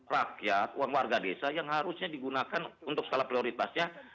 rakyat uang warga desa yang harusnya digunakan untuk skala prioritasnya